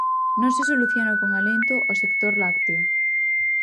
Non se soluciona con alento ao sector lácteo.